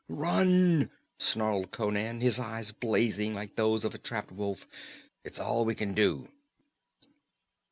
"Run!" snarled Conan, his eyes blazing like those of a trapped wolf. "It's all we can do!"